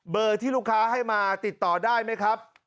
ที่ลูกค้าให้มาติดต่อได้ไหมครับ